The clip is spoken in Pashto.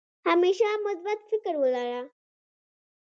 همېشه مثبت فکر ولره